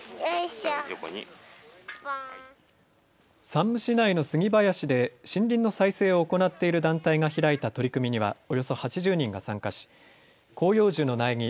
山武市内のスギ林で森林の再生を行っている団体が開いた取り組みにはおよそ８０人が参加し広葉樹の苗木